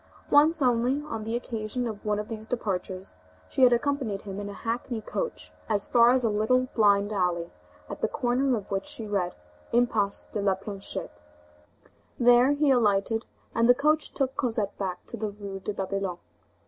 Once only, on the occasion of one of these departures, she had accompanied him in a hackney coach as far as a little blind alley at the corner of which she read: Impasse de la Planchette. There he alighted, and the coach took Cosette back to the Rue de Babylone.